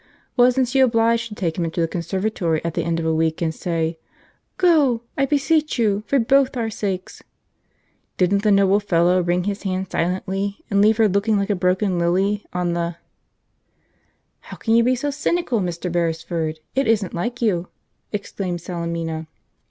Wasn't she obliged to take him into the conservatory, at the end of a week, and say, 'G go! I beseech you! for b both our sakes!'? Didn't the noble fellow wring her hand silently, and leave her looking like a broken lily on the " "How can you be so cynical, Mr. Beresford? It isn't like you!" exclaimed Salemina.